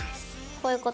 こういうこと？